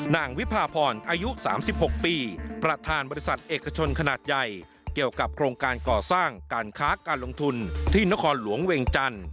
วิพาพรอายุ๓๖ปีประธานบริษัทเอกชนขนาดใหญ่เกี่ยวกับโครงการก่อสร้างการค้าการลงทุนที่นครหลวงเวียงจันทร์